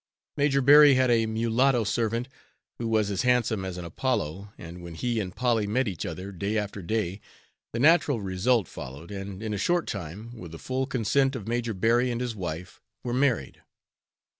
Major Berry had a mulatto servant, who was as handsome as an Apollo, and when he and Polly met each other, day after day, the natural result followed, and in a short time, with the full consent of Major Berry and his wife, were married.